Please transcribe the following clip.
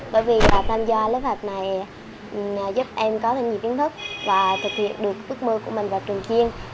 bởi vì tham gia lớp học này giúp em có thêm nhiều kiến thức và thực hiện được tước mơ của mình vào trường chiên